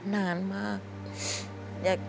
นานมาก